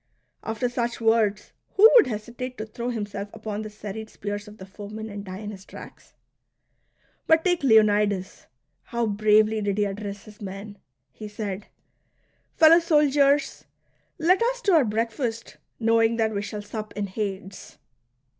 After such words, who would hesitate to throw himself upon the serried spears of the foemen, and die in his tracks .'' But take Leonidas : how bravely did he address his men ! He said :" Fellow soldiers, let us to our breakfast, knowing that we shall sup in Hades